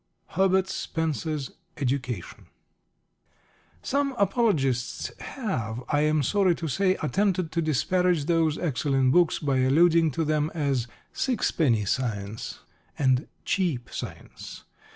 _ Herbert Spencer's Education. Some Apologists have, I am sorry to say, attempted to disparage those excellent books by alluding to them as "Sixpenny Science" and "Cheap Science."